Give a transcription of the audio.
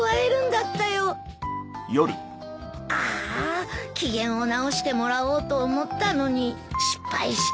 ああ機嫌を直してもらおうと思ったのに失敗した。